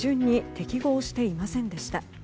適合していませんでした。